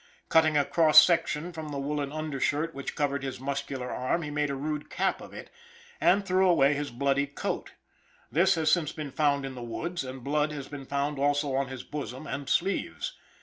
Cutting a cross section from the woolen undershirt which covered his muscular arm, he made a rude cap of it, and threw away his bloody coat. This has since been found in the woods, and blood has been found also on his bosom and sleeves.